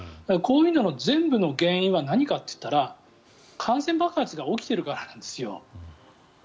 こういうのの全部の原因は何かといったら感染爆発が起きているからなんですよ。